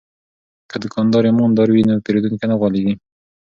که دوکاندار ایماندار وي نو پیرودونکی نه غولیږي.